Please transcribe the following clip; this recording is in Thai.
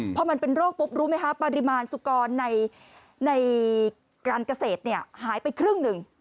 พอมันเป็นโรคปุ๊บรู้ไหมคะปริมาณสุกรในการเกษตรหายไปครึ่งหนึ่ง